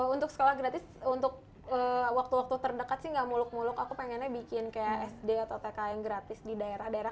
untuk sekolah gratis untuk waktu waktu terdekat sih gak muluk muluk aku pengennya bikin kayak sd atau tkn gratis di daerah daerah